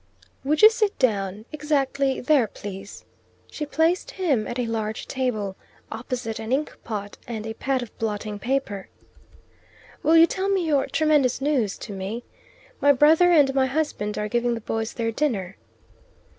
"Would you sit down? Exactly there, please." She placed him at a large table, opposite an inkpot and a pad of blotting paper. "Will you tell your 'tremendous news' to me? My brother and my husband are giving the boys their dinner."